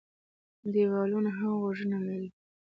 دېوالونو هم غوږونه لري.